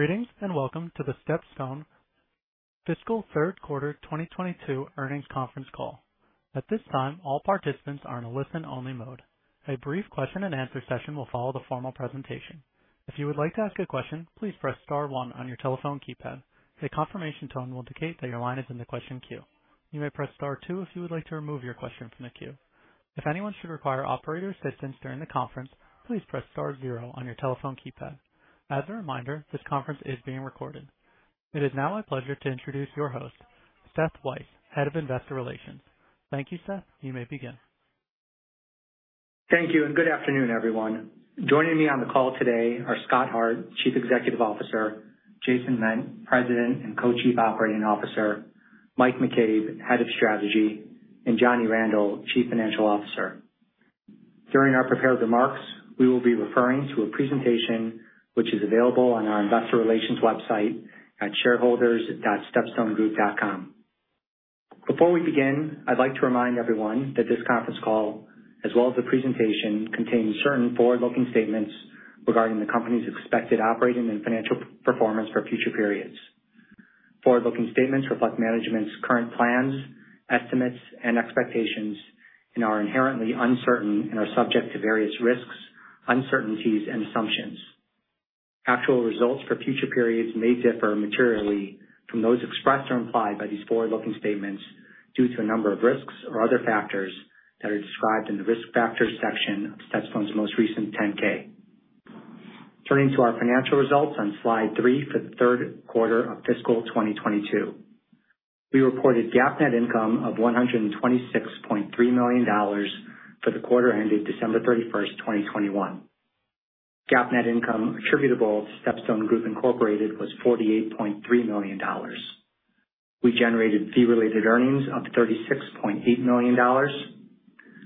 Greetings, and welcome to the StepStone fiscal third quarter 2022 Earnings Conference Call. At this time, all participants are in a listen-only mode. A brief question and answer session will follow the formal presentation. If you would like to ask a question, please press star one on your telephone keypad. A confirmation tone will indicate that your line is in the question queue. You may press star two if you would like to remove your question from the queue. If anyone should require operator assistance during the conference, please press star zero on your telephone keypad. As a reminder, this conference is being recorded. It is now my pleasure to introduce your host, Seth Weiss, Head of Investor Relations. Thank you, Seth. You may begin. Thank you, and good afternoon, everyone. Joining me on the call today are Scott Hart, Chief Executive Officer, Jason Ment, President and Co-Chief Operating Officer, Mike McCabe, Head of Strategy, and Johnny Randel, Chief Financial Officer. During our prepared remarks, we will be referring to a presentation which is available on our investor relations website at shareholders.stepstonegroup.com. Before we begin, I'd like to remind everyone that this conference call, as well as the presentation, contains certain forward-looking statements regarding the company's expected operating and financial performance for future periods. Forward-looking statements reflect management's current plans, estimates, and expectations and are inherently uncertain and are subject to various risks, uncertainties, and assumptions. Actual results for future periods may differ materially from those expressed or implied by these forward-looking statements due to a number of risks or other factors that are described in the Risk Factors section of StepStone's most recent 10-K. Turning to our financial results on slide three for the third quarter of fiscal 2022. We reported GAAP net income of $126.3 million for the quarter ending December 31, 2021. GAAP net income attributable to StepStone Group Inc. was $48.3 million. We generated fee related earnings of $36.8 million,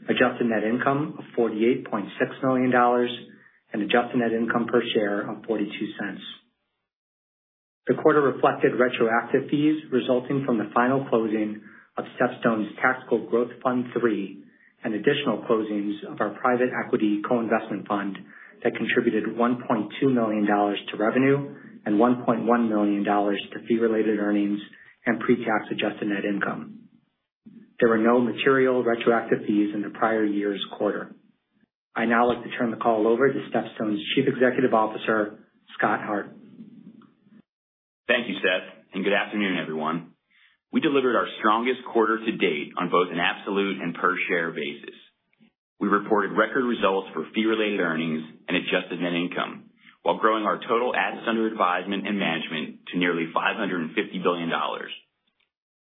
adjusted net income of $48.6 million, and adjusted net income per share of $0.42. The quarter reflected retroactive fees resulting from the final closing of StepStone's Tactical Growth Fund III and additional closings of our private equity co-investment fund that contributed $1.2 million to revenue and $1.1 million to fee related earnings and pre-tax adjusted net income. There were no material retroactive fees in the prior year's quarter. I now like to turn the call over to StepStone's Chief Executive Officer, Scott Hart. Thank you, Seth, and good afternoon, everyone. We delivered our strongest quarter to date on both an absolute and per share basis. We reported record results for Fee Related Earnings and Adjusted Net Income while growing our total assets under advisement and management to nearly $550 billion.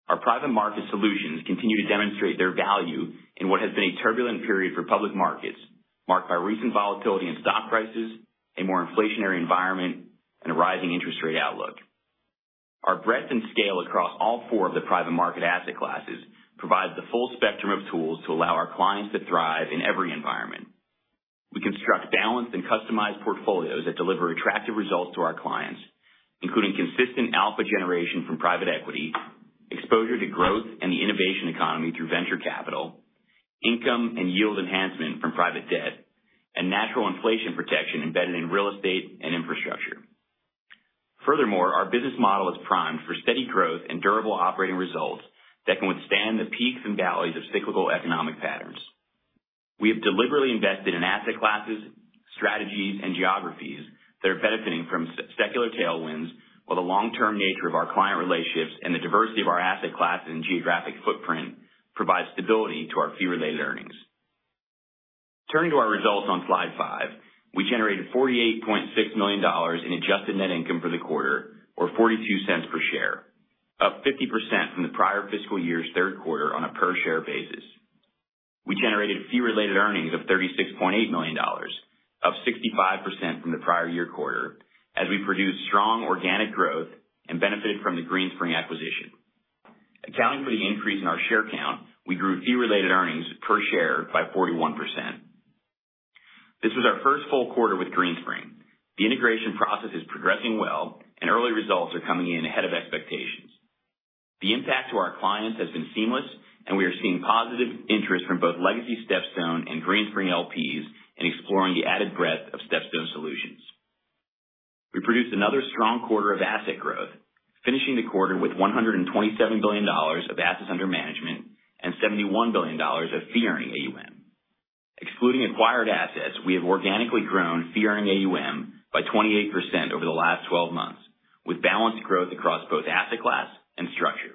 Our private market solutions continue to demonstrate their value in what has been a turbulent period for public markets, marked by recent volatility in stock prices, a more inflationary environment, and a rising interest rate outlook. Our breadth and scale across all four of the private market asset classes provides the full spectrum of tools to allow our clients to thrive in every environment. We construct balanced and customized portfolios that deliver attractive results to our clients, including consistent alpha generation from private equity, exposure to growth and the innovation economy through venture capital, income and yield enhancement from private debt, and natural inflation protection embedded in real estate and infrastructure. Furthermore, our business model is primed for steady growth and durable operating results that can withstand the peaks and valleys of cyclical economic patterns. We have deliberately invested in asset classes, strategies, and geographies that are benefiting from secular tailwinds while the long-term nature of our client relationships and the diversity of our asset class and geographic footprint provide stability to our Fee Related Earnings. Turning to our results on slide 5, we generated $48.6 million in Adjusted Net Income for the quarter or $0.42 per share, up 50% from the prior fiscal year's third quarter on a per share basis. We generated Fee Related Earnings of $36.8 million, up 65% from the prior year quarter as we produced strong organic growth and benefited from the Greenspring acquisition. Accounting for the increase in our share count, we grew Fee Related Earnings per share by 41%. This was our first full quarter with Greenspring. The integration process is progressing well and early results are coming in ahead of expectations. The impact to our clients has been seamless and we are seeing positive interest from both legacy StepStone and Greenspring LPs in exploring the added breadth of StepStone solutions. We produced another strong quarter of asset growth, finishing the quarter with $127 billion of assets under management and $71 billion of fee earning AUM. Excluding acquired assets, we have organically grown fee earning AUM by 28% over the last 12 months, with balanced growth across both asset class and structure.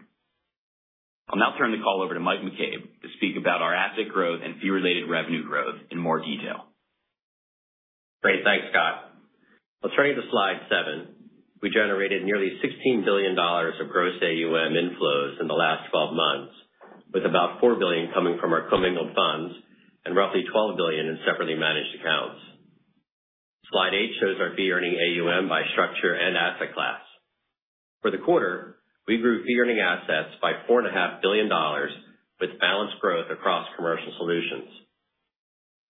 I'll now turn the call over to Mike McCabe to speak about our asset growth and fee related revenue growth in more detail. Great. Thanks, Scott. I'll turn you to Slide seven. We generated nearly $16 billion of gross AUM inflows in the last 12 months, with about $4 billion coming from our commingled funds and roughly $12 billion in separately managed accounts. Slide eight shows our fee earning AUM by structure and asset class. For the quarter, we grew fee earning assets by $4.5 billion with balanced growth across commercial solutions.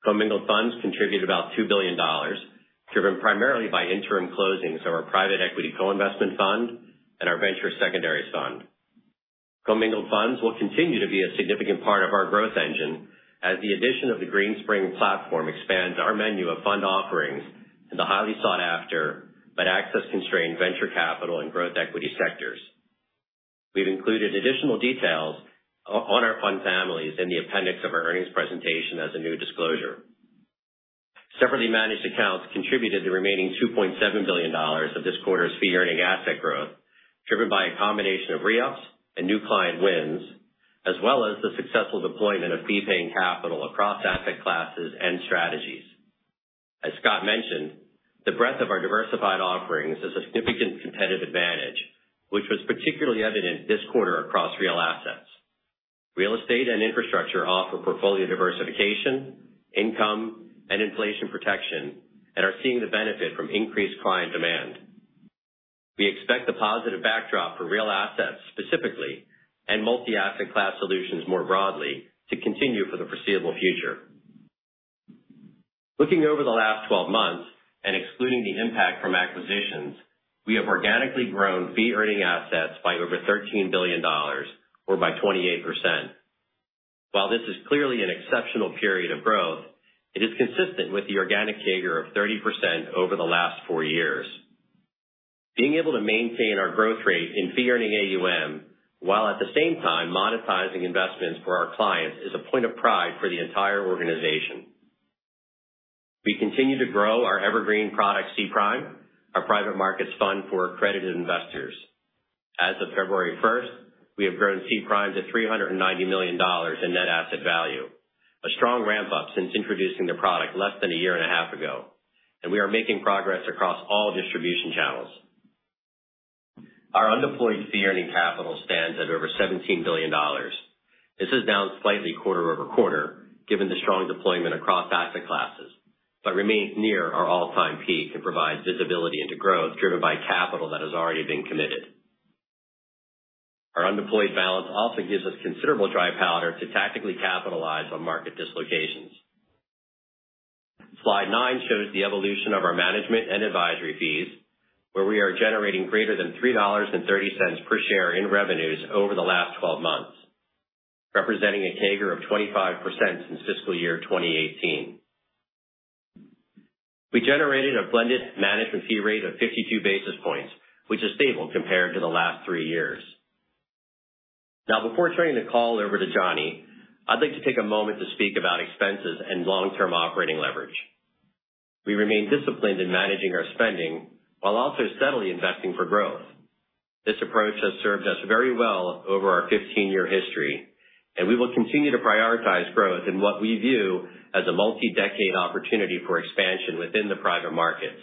Commingled funds contributed about $2 billion, driven primarily by interim closings of our private equity co-investment fund and our venture secondary fund. Commingled funds will continue to be a significant part of our growth engine as the addition of the Greenspring platform expands our menu of fund offerings in the highly sought after but access-constrained venture capital and growth equity sectors. We've included additional details on our fund families in the appendix of our earnings presentation as a new disclosure. Separately managed accounts contributed the remaining $2.7 billion of this quarter's fee earning asset growth, driven by a combination of re-ups and new client wins, as well as the successful deployment of fee paying capital across asset classes and strategies. As Scott mentioned, the breadth of our diversified offerings is a significant competitive advantage, which was particularly evident this quarter across real assets. Real Estate and Infrastructure offer portfolio diversification, income, and inflation protection, and are seeing the benefit from increased client demand. We expect the positive backdrop for real assets specifically, and multi-asset class solutions more broadly to continue for the foreseeable future. Looking over the last 12 months and excluding the impact from acquisitions, we have organically grown fee-earning assets by over $13 billion or by 28%. While this is clearly an exceptional period of growth, it is consistent with the organic CAGR of 30% over the last four years. Being able to maintain our growth rate in fee earning AUM while at the same time monetizing investments for our clients is a point of pride for the entire organization. We continue to grow our evergreen product, C Prime, our private markets fund for accredited investors. As of February 1, 2022. We have grown C Prime to $390 million in net asset value. A strong ramp-up since introducing the product less than a year and a half ago, and we are making progress across all distribution channels. Our undeployed fee earning capital stands at over $17 billion. This is down slightly quarter-over-quarter, given the strong deployment across asset classes, but remains near our all-time peak and provides visibility into growth driven by capital that has already been committed. Our undeployed balance also gives us considerable dry powder to tactically capitalize on market dislocations. Slide 9 shows the evolution of our management and advisory fees, where we are generating greater than $3.30 per share in revenues over the last 12 months, representing a CAGR of 25% since fiscal year 2018. We generated a blended management fee rate of 52 basis points, which is stable compared to the last three years. Now, before turning the call over to Johnny, I'd like to take a moment to speak about expenses and long-term operating leverage. We remain disciplined in managing our spending while also steadily investing for growth. This approach has served us very well over our 15-year history, and we will continue to prioritize growth in what we view as a multi-decade opportunity for expansion within the private markets.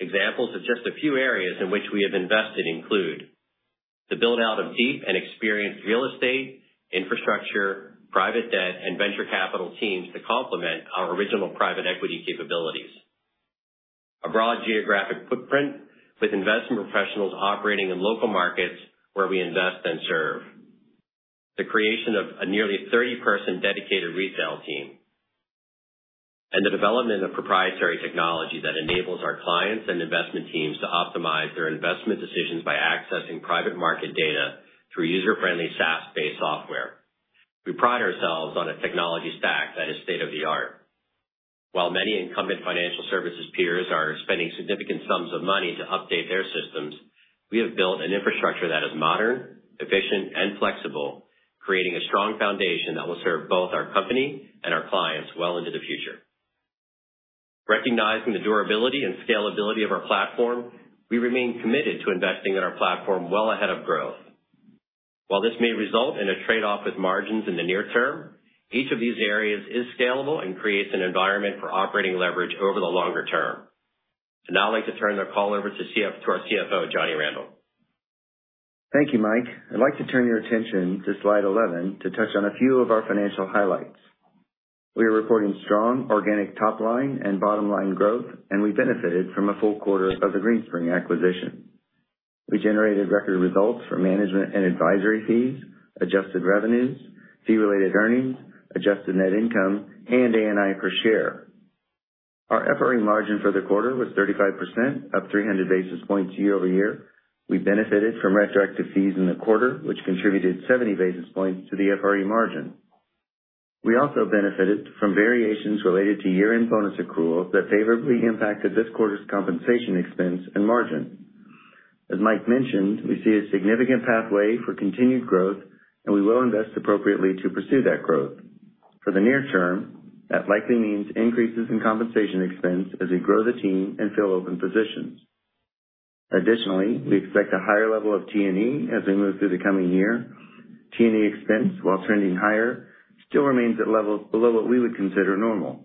Examples of just a few areas in which we have invested include the build-out of deep and experienced real estate, infrastructure, private debt, and venture capital teams to complement our original private equity capabilities, a broad geographic footprint with investment professionals operating in local markets where we invest and serve, and the creation of a nearly 30-person dedicated retail team. The development of proprietary technology that enables our clients and investment teams to optimize their investment decisions by accessing private market data through user-friendly SaaS-based software. We pride ourselves on a technology stack that is state-of-the-art. While many incumbent financial services peers are spending significant sums of money to update their systems, we have built an infrastructure that is modern, efficient, and flexible, creating a strong foundation that will serve both our company and our clients well into the future. Recognizing the durability and scalability of our platform, we remain committed to investing in our platform well ahead of growth. While this may result in a trade-off with margins in the near term, each of these areas is scalable and creates an environment for operating leverage over the longer term. I'd now like to turn the call over to our CFO, Johnny Randel. Thank you, Mike. I'd like to turn your attention to slide 11 to touch on a few of our financial highlights. We are reporting strong organic top line and bottom line growth, and we benefited from a full quarter of the Greenspring acquisition. We generated record results for management and advisory fees, adjusted revenues, fee-related earnings, adjusted net income, and ANI per share. Our FRE margin for the quarter was 35%, up 300 basis points year-over-year. We benefited from retroactive fees in the quarter, which contributed 70 basis points to the FRE margin. We also benefited from variations related to year-end bonus accrual that favorably impacted this quarter's compensation expense and margin. As Mike mentioned, we see a significant pathway for continued growth, and we will invest appropriately to pursue that growth. For the near term, that likely means increases in compensation expense as we grow the team and fill open positions. Additionally, we expect a higher level of T&E as we move through the coming year. T&E expense, while trending higher, still remains at levels below what we would consider normal.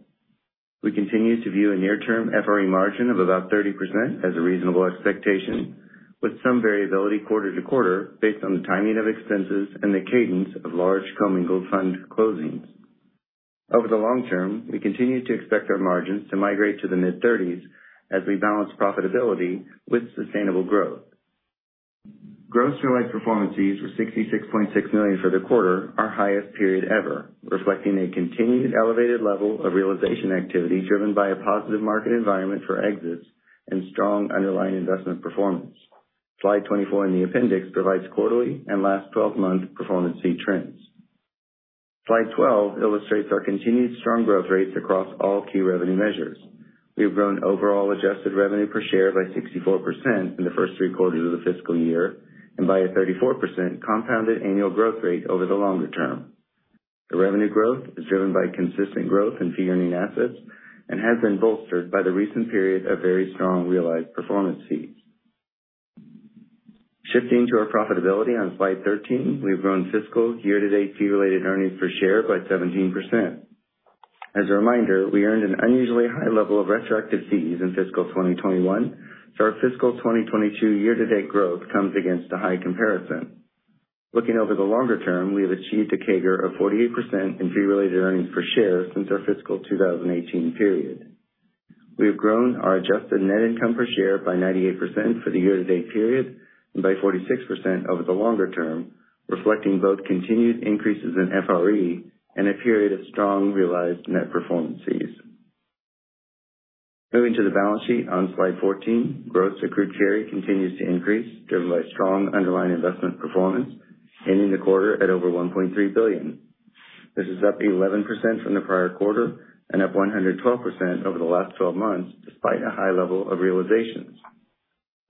We continue to view a near-term FRE margin of about 30% as a reasonable expectation, with some variability quarter to quarter based on the timing of expenses and the cadence of large commingled fund closings. Over the long term, we continue to expect our margins to migrate to the mid-30s as we balance profitability with sustainable growth. Gross realized performance fees were $66.6 million for the quarter, our highest period ever, reflecting a continued elevated level of realization activity driven by a positive market environment for exits and strong underlying investment performance. Slide 24 in the appendix provides quarterly and last 12-month performance fee trends. Slide 12 illustrates our continued strong growth rates across all key revenue measures. We have grown overall adjusted revenue per share by 64% in the first 3 quarters of the fiscal year, and by a 34% compounded annual growth rate over the longer term. The revenue growth is driven by consistent growth in fee earning assets and has been bolstered by the recent period of very strong realized performance fees. Shifting to our profitability on slide 13, we've grown fiscal year-to-date fee related earnings per share by 17%. As a reminder, we earned an unusually high level of retroactive fees in fiscal 2021. Our fiscal 2022 year-to-date growth comes against a high comparison. Looking over the longer term, we have achieved a CAGR of 48% in Fee Related Earnings per share since our fiscal 2018 period. We have grown our Adjusted Net Income per share by 98% for the year-to-date period, and by 46% over the longer term, reflecting both continued increases in FRE and a period of strong realized net performance fees. Moving to the balance sheet on slide 14. Gross accrued carry continues to increase, driven by strong underlying investment performance, ending the quarter at over $1.3 billion. This is up 11% from the prior quarter and up 112% over the last twelve months, despite a high level of realizations.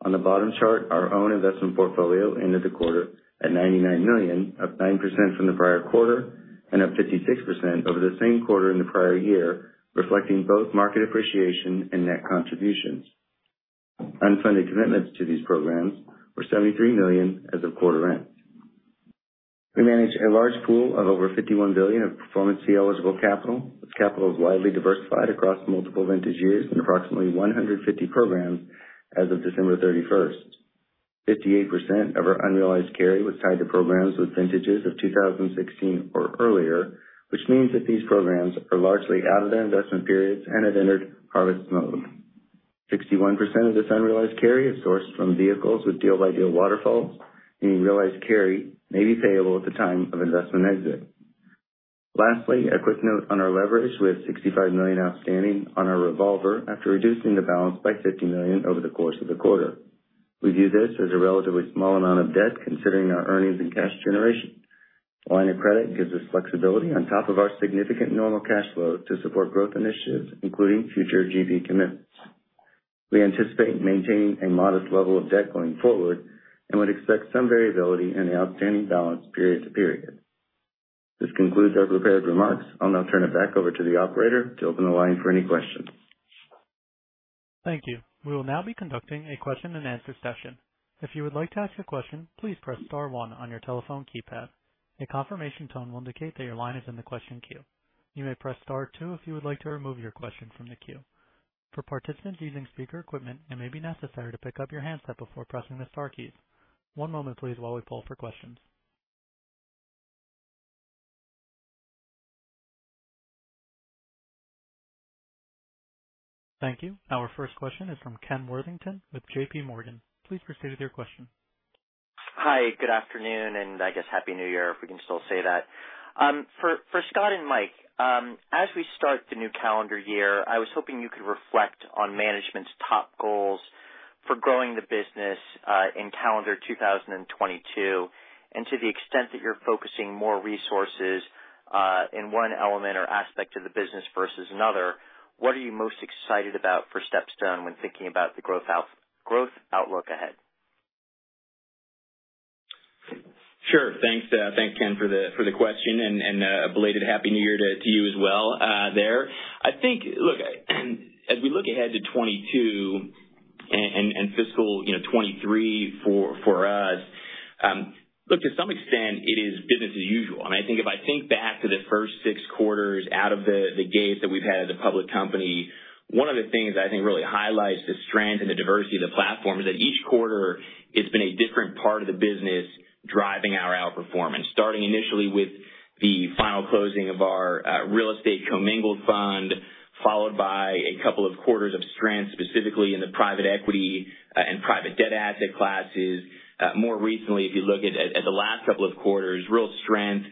On the bottom chart, our own investment portfolio ended the quarter at $99 million, up 9% from the prior quarter and up 56% over the same quarter in the prior year, reflecting both market appreciation and net contributions. Unfunded commitments to these programs were $73 million as of quarter end. We manage a large pool of over $51 billion of performance fee eligible capital. This capital is widely diversified across multiple vintage years in approximately 150 programs as of December 31. 58% of our unrealized carry was tied to programs with vintages of 2016 or earlier, which means that these programs are largely out of their investment periods and have entered harvest mode. 61% of this unrealized carry is sourced from vehicles with deal-by-deal waterfalls, meaning realized carry may be payable at the time of investment exit. Lastly, a quick note on our leverage. We have $65 million outstanding on our revolver after reducing the balance by $50 million over the course of the quarter. We view this as a relatively small amount of debt considering our earnings and cash generation. Line of credit gives us flexibility on top of our significant normal cash flow to support growth initiatives, including future GP commitments. We anticipate maintaining a modest level of debt going forward and would expect some variability in the outstanding balance period to period. This concludes our prepared remarks. I'll now turn it back over to the operator to open the line for any questions. Thank you. We will now be conducting a question-and-answer session. If you would like to ask a question, please press star one on your telephone keypad. A confirmation tone will indicate that your line is in the question queue. You may press star two if you would like to remove your question from the queue. For participants using speaker equipment, it may be necessary to pick up your handset before pressing the star keys. One moment please while we poll for questions. Thank you. Our first question is from Kenneth Worthington with JPMorgan. Please proceed with your question. Hi, good afternoon, and I guess happy New Year, if we can still say that. For Scott and Mike, as we start the new calendar year, I was hoping you could reflect on management's top goals for growing the business in calendar 2022. To the extent that you're focusing more resources in one element or aspect of the business versus another, what are you most excited about for StepStone when thinking about the growth outlook ahead? Sure. Thanks, Ken, for the question and a belated happy New Year to you as well, there. Look, as we look ahead to 2022 and fiscal 2023 for us, to some extent it is business as usual. I think back to the first six quarters out of the gate that we've had as a public company, one of the things I think really highlights the strength and the diversity of the platform is that each quarter it's been a different part of the business driving our outperformance, starting initially with the final closing of our Real Estate commingled fund. Followed by a couple of quarters of strength, specifically in the Private Equity and Private Debt asset classes. More recently, if you look at the last couple of quarters, real strength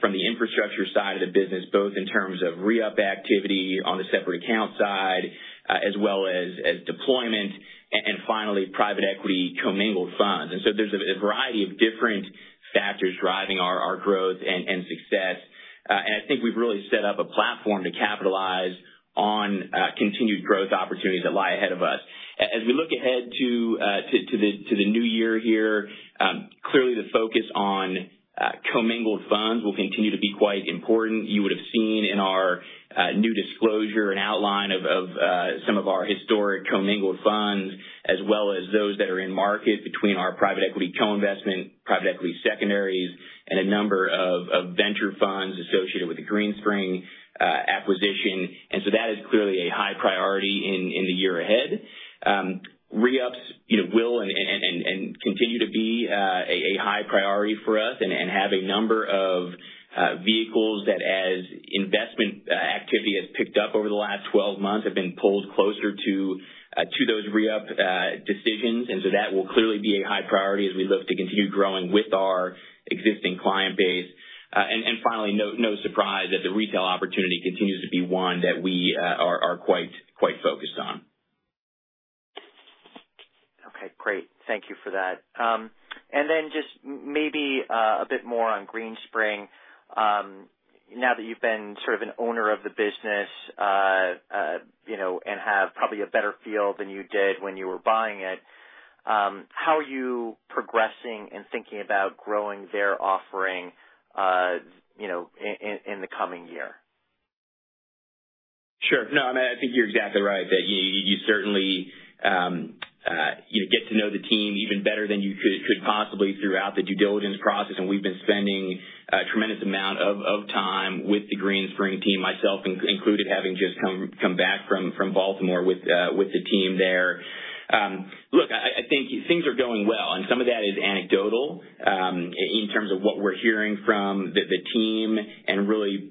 from the Infrastructure side of the business, both in terms of re-up activity on the separate account side as well as deployment and finally Private Equity commingled funds. There's a variety of different factors driving our growth and success. I think we've really set up a platform to capitalize on continued growth opportunities that lie ahead of us. As we look ahead to the new year here, clearly the focus on commingled funds will continue to be quite important. You would have seen in our new disclosure an outline of some of our historic commingled funds, as well as those that are in market between our private equity co-investment, private equity secondaries, and a number of venture funds associated with the Greenspring acquisition. That is clearly a high priority in the year ahead. Re-ups, you know, will continue to be a high priority for us and have a number of vehicles that as investment activity has picked up over the last 12 months, have been pulled closer to those re-up decisions. That will clearly be a high priority as we look to continue growing with our existing client base. Finally, no surprise that the retail opportunity continues to be one that we are quite focused on. Great. Thank you for that. Just maybe a bit more on Greenspring. Now that you've been sort of an owner of the business, you know, and have probably a better feel than you did when you were buying it, how are you progressing and thinking about growing their offering, you know, in the coming year? Sure. No, I mean, I think you're exactly right that you certainly, you know, get to know the team even better than you could possibly throughout the due diligence process. We've been spending a tremendous amount of time with the Greenspring team, myself included, having just come back from Baltimore with the team there. Look, I think things are going well, and some of that is anecdotal, in terms of what we're hearing from the team and really,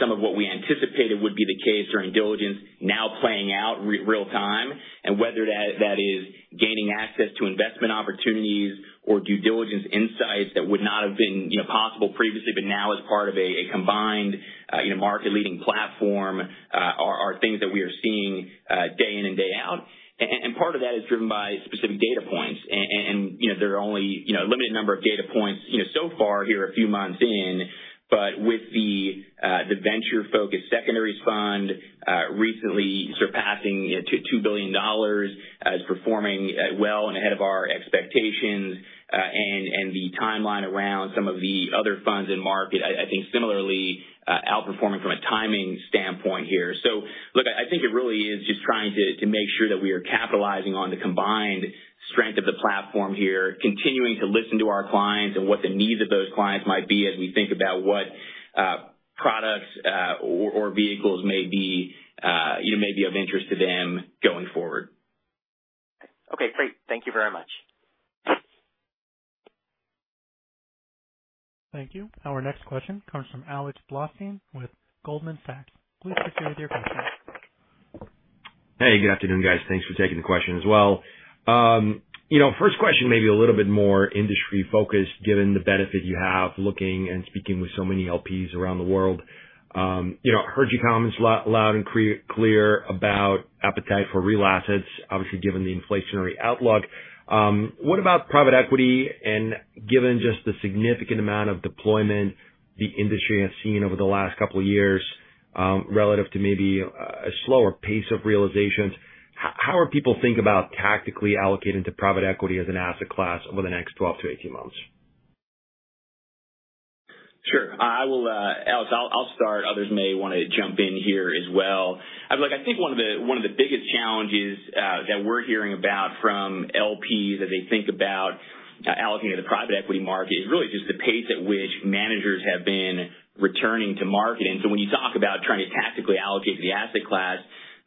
some of what we anticipated would be the case during diligence now playing out real time. Whether that is gaining access to investment opportunities or due diligence insights that would not have been, you know, possible previously but now as part of a combined, you know, market leading platform, are things that we are seeing day in and day out. Part of that is driven by specific data points. And, you know, there are only, you know, a limited number of data points, you know, so far here a few months in. With the venture-focused secondaries fund recently surpassing $2 billion and performing well and ahead of our expectations, and the timeline around some of the other funds in market, I think similarly outperforming from a timing standpoint here. Look, I think it really is just trying to make sure that we are capitalizing on the combined strength of the platform here, continuing to listen to our clients and what the needs of those clients might be as we think about what, products, or vehicles may be, you know, may be of interest to them going forward. Okay, great. Thank you very much. Thank you. Our next question comes from Alex Blostein with Goldman Sachs. Please proceed with your question. Hey, good afternoon, guys. Thanks for taking the question as well. You know, first question maybe a little bit more industry focused given the benefit you have looking and speaking with so many LPs around the world. You know, heard your comments loud and clear about appetite for real assets, obviously given the inflationary outlook. What about private equity? Given just the significant amount of deployment the industry has seen over the last couple years, relative to maybe a slower pace of realizations, how are people thinking about tactically allocating to private equity as an asset class over the next 12-18 months? Sure. I will, Alex. I'll start. Others may wanna jump in here as well. Look, I think one of the biggest challenges that we're hearing about from LPs as they think about allocating to the Private Equity market is really just the pace at which managers have been returning to market. When you talk about trying to tactically allocate the asset class,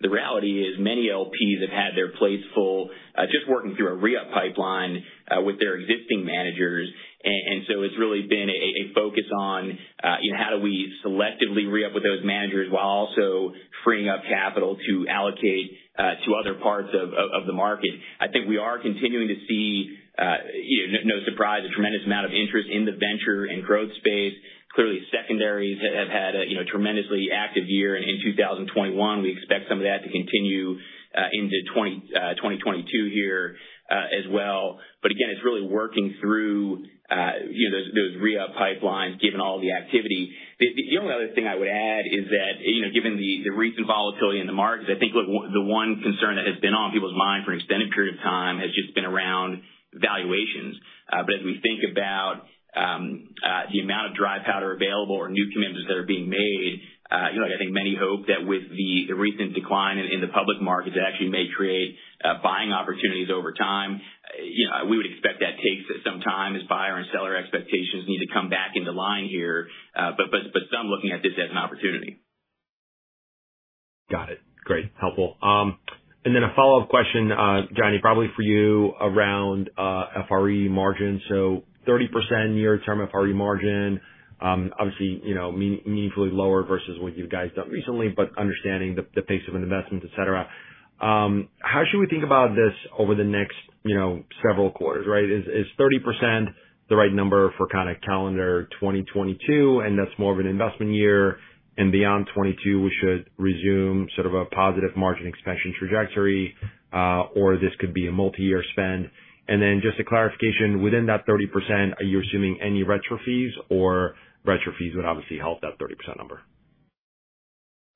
the reality is many LPs have had their plates full, just working through a re-up pipeline with their existing managers. It's really been a focus on, you know, how do we selectively re-up with those managers while also freeing up capital to allocate to other parts of the market. I think we are continuing to see, you know, no surprise, a tremendous amount of interest in the venture and growth space. Clearly, secondaries have had a, you know, tremendously active year in 2021. We expect some of that to continue into 2022 here, as well, but again, it's really working through, you know, those re-up pipelines given all the activity. The only other thing I would add is that, you know, given the recent volatility in the markets, I think look, the one concern that has been on people's mind for an extended period of time has just been around valuations. As we think about the amount of dry powder available or new commitments that are being made, you know, I think many hope that with the recent decline in the public markets, it actually may create buying opportunities over time. You know, we would expect that takes some time as buyer and seller expectations need to come back into line here, some looking at this as an opportunity. Got it. Great. Helpful. And then a follow-up question, Johnny, probably for you around FRE margin. So 30% year term FRE margin, obviously, you know, meaningfully lower versus what you guys done recently, but understanding the pace of investments, et cetera. How should we think about this over the next, you know, several quarters, right? Is 30% the right number for kind of calendar 2022, and that's more of an investment year, and beyond 2022 we should resume sort of a positive margin expansion trajectory, or this could be a multiyear spend? Just a clarification, within that 30%, are you assuming any retro fees or retro fees would obviously help that 30% number?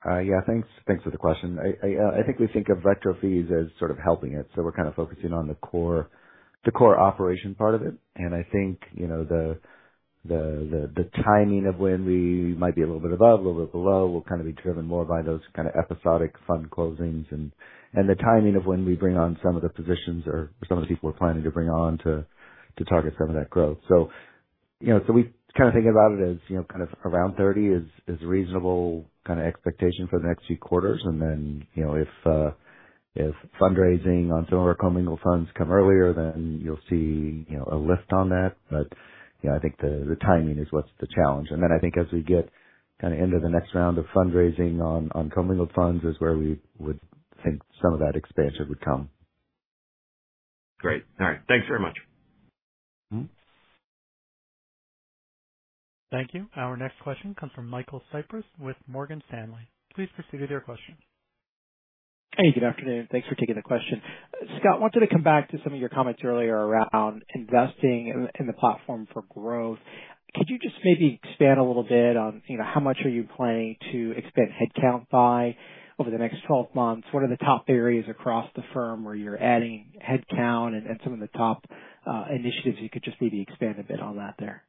Thanks for the question. I think we think of retro fees as sort of helping it. We're kind of focusing on the core operation part of it. I think, you know, the timing of when we might be a little bit above, a little bit below will kind of be driven more by those kind of episodic fund closings and the timing of when we bring on some of the positions or some of the people we're planning to bring on to target some of that growth. You know, we kind of think about it as, you know, kind of around 30 is reasonable kind of expectation for the next few quarters. You know, if fundraising on some of our commingled funds come earlier, then you'll see, you know, a lift on that, but you know, I think the timing is what's the challenge. I think as we get kind of into the next round of fundraising on commingled funds is where we would think some of that expansion would come. Great. All right. Thanks very much. Mm-hmm. Thank you. Our next question comes from Michael Cyprys with Morgan Stanley. Please proceed with your question. Hey, good afternoon. Thanks for taking the question. Scott, I wanted to come back to some of your comments earlier around investing in the platform for growth. Could you just maybe expand a little bit on, you know, how much are you planning to expand headcount by over the next 12 months? What are the top areas across the firm where you're adding headcount and some of the top initiatives? You could just maybe expand a bit on that there.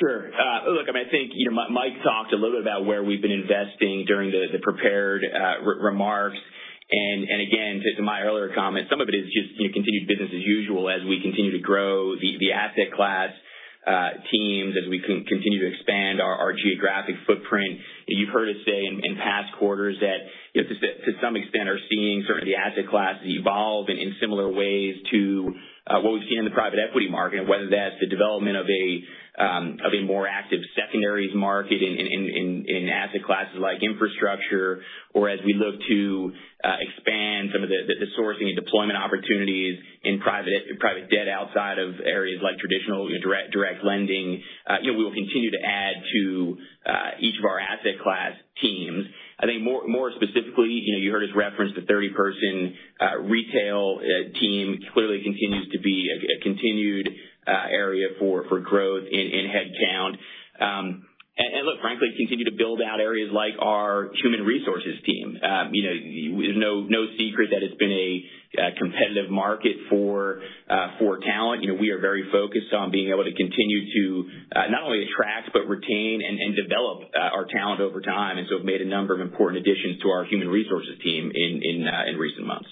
Sure. Look, I mean, I think, you know, Mike talked a little bit about where we've been investing during the prepared remarks. And again, to my earlier comments, some of it is just, you know, continued business as usual as we continue to grow the asset class teams, as we continue to expand our geographic footprint. You've heard us say in past quarters that, you know, to some extent we're seeing certain of the asset classes evolve in similar ways to what we've seen in the private equity market. Whether that's the development of a more active secondaries market in asset classes like infrastructure, or as we look to expand some of the sourcing and deployment opportunities in private debt outside of areas like traditional direct lending. You know, we will continue to add to each of our asset class teams. I think more specifically, you know, you heard us reference the 30-person retail team clearly continues to be a continued area for growth in headcount. And look, frankly, continue to build out areas like our human resources team. You know, there's no secret that it's been a competitive market for talent. You know, we are very focused on being able to continue to not only attract, but retain and develop our talent over time. We've made a number of important additions to our human resources team in recent months.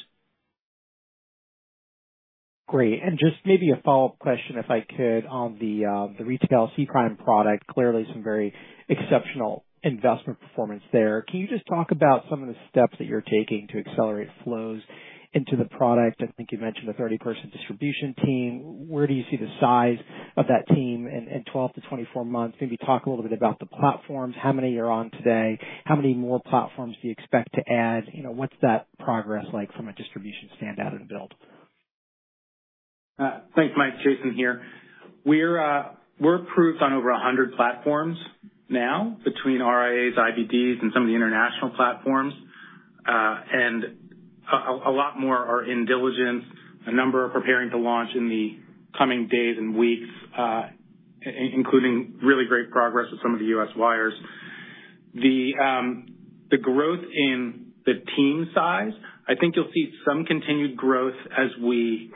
Great. Just maybe a follow-up question, if I could, on the retail C Prime product. Clearly some very exceptional investment performance there. Can you just talk about some of the steps that you're taking to accelerate flows into the product? I think you mentioned a 30-person distribution team. Where do you see the size of that team in 12-24 months? Maybe talk a little bit about the platforms, how many you're on today, how many more platforms do you expect to add? You know, what's that progress like from a distribution standpoint and build? Thanks, Michael. Jason here. We're approved on over 100 platforms now between RIAs, IBDs, and some of the international platforms. A lot more are in diligence. A number are preparing to launch in the coming days and weeks, including really great progress with some of the U.S. wires. The growth in the team size, I think you'll see some continued growth as we.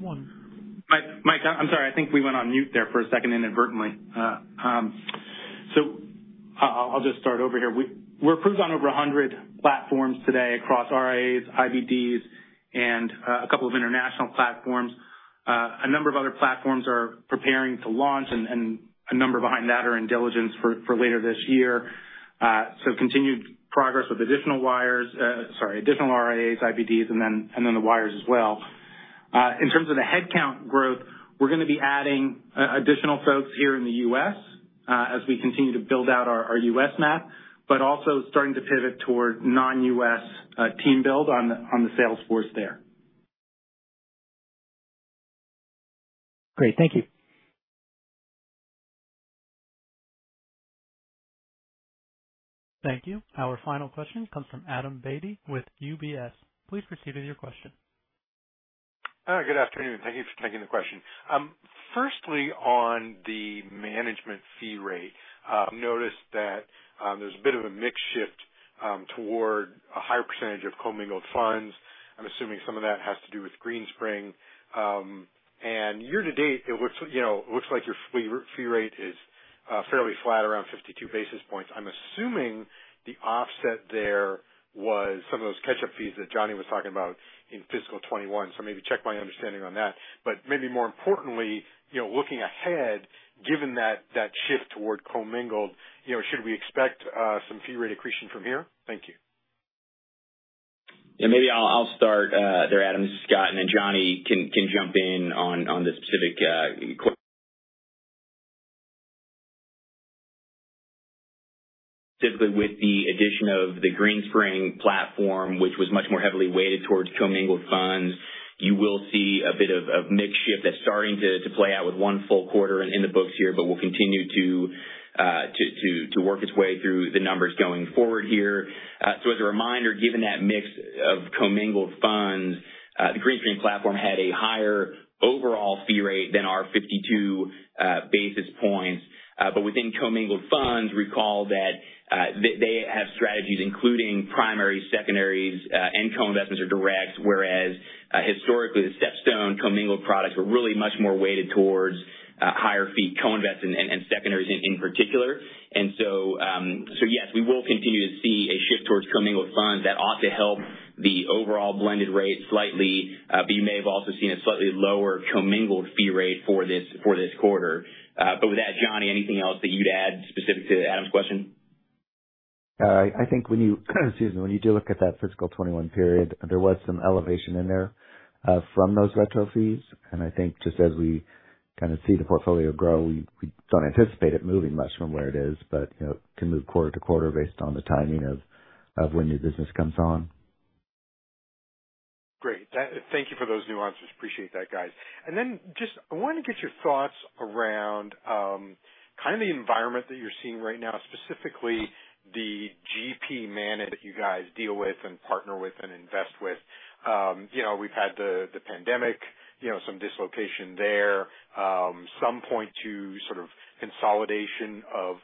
Michael I'm sorry. I think we went on mute there for a second inadvertently. So I'll just start over here. We're approved on over 100 platforms today across RIAs, IBDs, and a couple of international platforms. A number of other platforms are preparing to launch, and a number behind that are in diligence for later this year. So continued progress with additional wires. Sorry, additional RIAs, IBDs, and then the wires as well. In terms of the headcount growth, we're gonna be adding additional folks here in the U.S., as we continue to build out our U.S. map, but also starting to pivot toward non-U.S. team build on the sales force there. Great. Thank you. Thank you. Our final question comes from Adam Beatty with UBS. Please proceed with your question. Good afternoon. Thank you for taking the question. Firstly, on the management fee rate, noticed that there's a bit of a mix shift toward a higher percentage of commingled funds. I'm assuming some of that has to do with Greenspring. Year to date, it looks like your fee rate is fairly flat around 52 basis points. I'm assuming the offset there was some of those catch-up fees that Johnny was talking about in fiscal 2021. Maybe check my understanding on that. Maybe more importantly, looking ahead, given that shift toward commingled, you know, should we expect some fee rate accretion from here? Thank you. Yeah, maybe I'll start there, Adam. Scott, and then Johnny can jump in on the specific. Specifically with the addition of the Greenspring platform, which was much more heavily weighted towards commingled funds. You will see a bit of mix shift that's starting to play out with one full quarter in the books here, but will continue to work its way through the numbers going forward here. So as a reminder, given that mix of commingled funds, the Greenspring platform had a higher overall fee rate than our 52 basis points. Within commingled funds, recall that they have strategies including primaries, secondaries, and co-investments or directs, whereas historically the StepStone commingled products were really much more weighted towards higher fee co-invest and secondaries in particular. Yes, we will continue to see a shift towards commingled funds that ought to help the overall blended rate slightly. You may have also seen a slightly lower commingled fee rate for this quarter. With that, Johnny, anything else that you'd add specific to Adam's question? I think when you do look at that fiscal 2021 period, there was some elevation in there from those retro fees. I think just as we kinda see the portfolio grow, we don't anticipate it moving much from where it is, but you know, it can move quarter to quarter based on the timing of when new business comes on. Great. Thank you for those nuances. Appreciate that, guys. Then just I wanna get your thoughts around, kind of the environment that you're seeing right now, specifically the GP managers that you guys deal with and partner with and invest with. You know, we've had the pandemic, you know, some dislocation there, some point to sort of consolidation of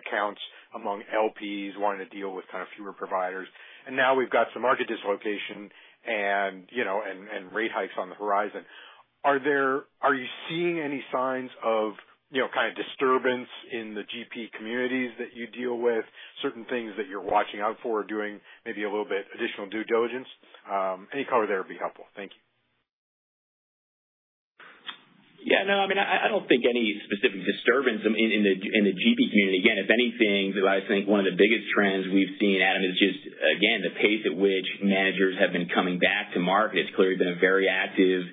accounts among LPs wanting to deal with kind of fewer providers. Now we've got some market dislocation and, you know, rate hikes on the horizon. Are you seeing any signs of, you know, kind of disturbance in the GP communities that you deal with, certain things that you're watching out for or doing maybe a little bit additional due diligence? Any color there would be helpful. Thank you. Yeah, no, I mean, I don't think any specific disturbance in the GP community. Again, if anything, I think one of the biggest trends we've seen, Adam, is just again the pace at which managers have been coming back to market. It's clearly been a very active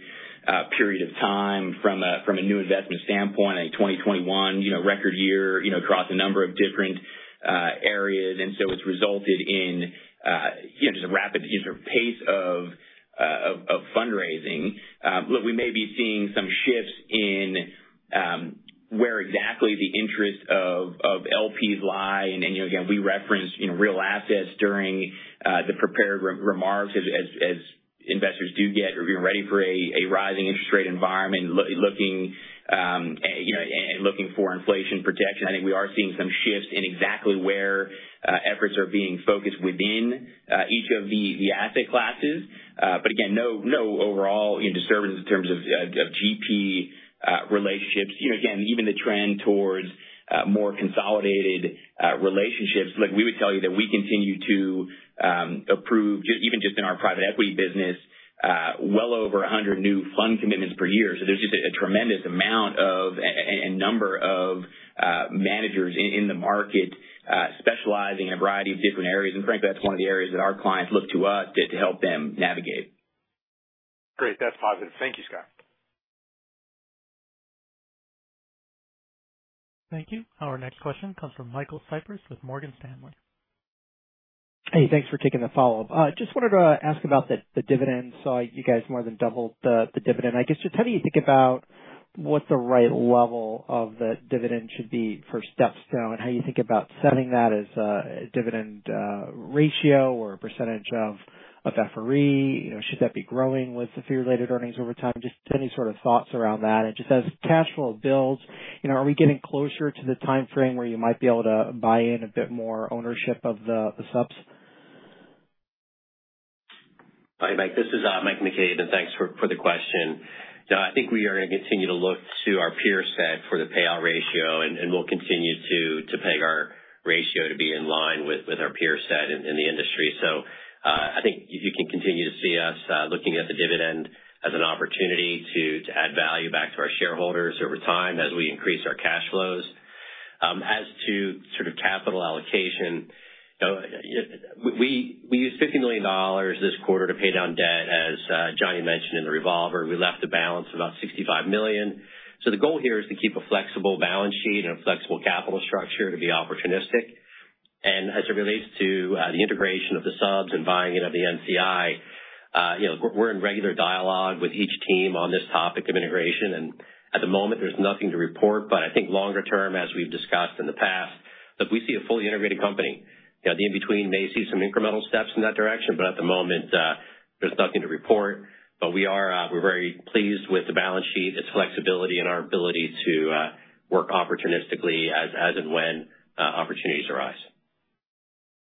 period of time from a new investment standpoint. I think 2021, you know, record year, you know, across a number of different areas. It's resulted in, you know, just a rapid pace of fundraising. Look, we may be seeing some shifts in where exactly the interest of LPs lie. You know, again, we referenced, you know, real assets during the prepared remarks as investors do get to be ready for a rising interest rate environment, you know, looking for inflation protection. I think we are seeing some shifts in exactly where efforts are being focused within each of the asset classes, but again, no overall disturbance in terms of GP relationships. You know, again, even the trend towards more consolidated relationships. Look, we would tell you that we continue to approve, just even in our private equity business, well over 100 new fund commitments per year. So there's just a tremendous amount and number of managers in the market specializing in a variety of different areas. Frankly, that's one of the areas that our clients look to us to help them navigate. Great. That's positive. Thank you, Scott. Thank you. Our next question comes from Michael Cyprys with Morgan Stanley. Hey, thanks for taking the follow-up. Just wanted to ask about the dividend. Saw you guys more than doubled the dividend. I guess just how do you think about what the right level of the dividend should be for StepStone, how you think about setting that as a dividend ratio or a percentage of FRE? You know, should that be growing with the fee-related earnings over time? Just any sort of thoughts around that. As cash flow builds, you know, are we getting closer to the timeframe where you might be able to buy in a bit more ownership of the subs? Hi, Michael. This is Mike McCabe, and thanks for the question. No, I think we are gonna continue to look to our peer set for the payout ratio, and we'll continue to peg our ratio to be in line with our peer set in the industry. I think you can continue to see us looking at the dividend as an opportunity to add value back to our shareholders over time as we increase our cash flows. As to capital allocation, you know, we used $50 million this quarter to pay down debt. As Johnny mentioned in the revolver, we left a balance of about $65 million. The goal here is to keep a flexible balance sheet and a flexible capital structure to be opportunistic. As it relates to the integration of the subs and buying in of the NCI, you know, we're in regular dialogue with each team on this topic of integration. At the moment, there's nothing to report. I think longer term, as we've discussed in the past, look, we see a fully integrated company. You know, the in between may see some incremental steps in that direction, but at the moment, there's nothing to report. We are very pleased with the balance sheet, its flexibility, and our ability to work opportunistically as and when opportunities arise.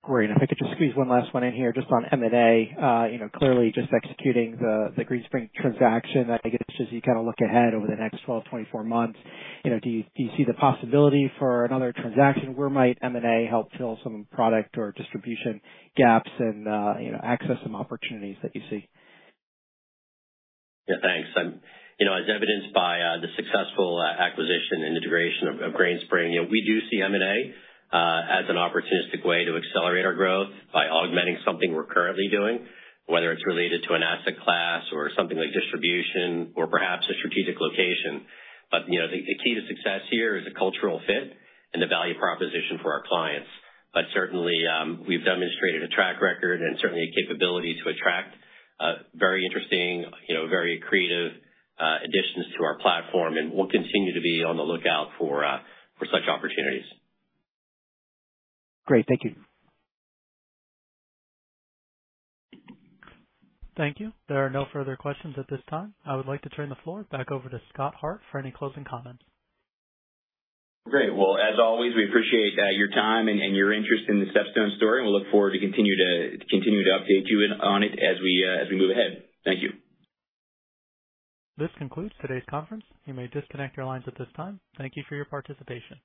Great. If I could just squeeze one last one in here just on M&A. You know, clearly just executing the Greenspring transaction. I guess as you kind of look ahead over the next 12-24 months, you know, do you see the possibility for another transaction? Where might M&A help fill some product or distribution gaps and, you know, access some opportunities that you see? Yeah, thanks. You know, as evidenced by the successful acquisition and integration of Greenspring, you know, we do see M&A as an opportunistic way to accelerate our growth by augmenting something we're currently doing, whether it's related to an asset class or something like distribution or perhaps a strategic location. You know, the key to success here is a cultural fit and the value proposition for our clients. Certainly, we've demonstrated a track record and certainly a capability to attract very interesting, you know, very creative additions to our platform, and we'll continue to be on the lookout for such opportunities. Great. Thank you. Thank you. There are no further questions at this time. I would like to turn the floor back over to Scott Hart for any closing comments. Great. Well, as always, we appreciate your time and your interest in the StepStone story, and we look forward to continue to update you on it as we move ahead. Thank you. This concludes today's conference. You may disconnect your lines at this time. Thank you for your participation.